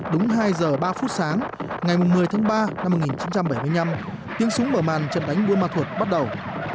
đúng hai giờ ba phút sáng ngày một mươi tháng ba năm một nghìn chín trăm bảy mươi năm tiếng súng mở màn trận đánh buôn ma thuột bắt đầu